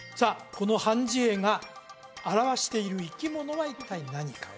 この判じ絵が表している生き物は一体何か？